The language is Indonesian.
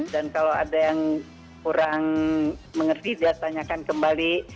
dan kalau ada yang kurang mengerti dia tanyakan kembali